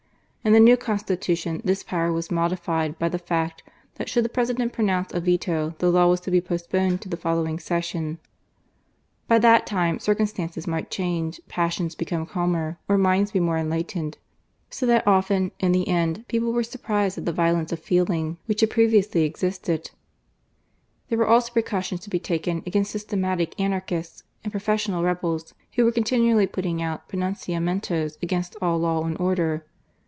In the new Constitution this power wai modified by the fact, t|iat should the Prfesident pronounce a veto, the law %as to be postponed to the foflowing session. By ihsd time, circumstancek might change, passions ^fcbni^ calmer, or minds be more enlightened; Sb that often, in the end, people were surprised at th^ violence of feeling which had previously ei^isted^ ^ There were also precautions to be taken against isyst^matic anarchists and professional rebels who Were continually putting out pronunciaptenios against all law and order.